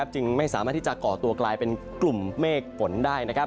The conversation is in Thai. จึงไม่สามารถที่จะก่อตัวกลายเป็นกลุ่มเมฆฝนได้